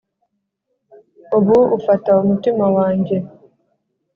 ubu ufata umutima wanjye.